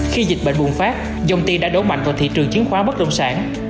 khi dịch bệnh bùng phát dòng tiền đã đổ mạnh vào thị trường chiến khoán bất đồng sản